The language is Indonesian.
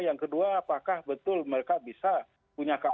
yang kedua apakah betul mereka bisa punya kapasitas